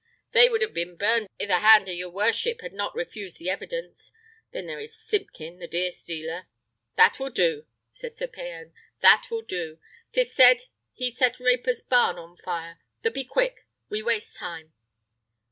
They would have been burned i' the hand if your worship had not refused the evidence. Then there is Simpkin, the deer stealer " "That will do," said Sir Payan, "that will do; 'tis said he set Raper's barn on fire. But be quick; we waste time."